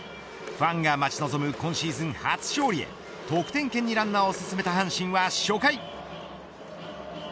ファンが待ち望むシーズン初勝利得点圏にランナーを進めた阪神は初回。